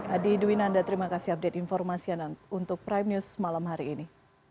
baik adi hidupin anda terima kasih update informasi untuk prime news malam hari ini